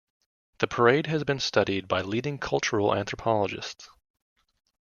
The parade has been studied by leading cultural anthropologists.